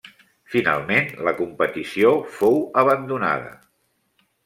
Finalment la competició fou abandonada.